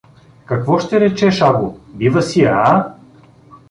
— Какво ще речеш, аго, бива си я, а!